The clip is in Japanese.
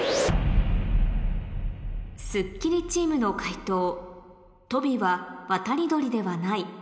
『スッキリ』チームの解答「トビは渡り鳥ではない」